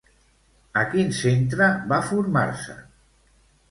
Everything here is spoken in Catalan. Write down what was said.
A quin centre va formar-se?